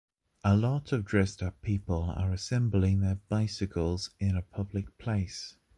A lot of dressed-up people are assembling their bicycles in a public place.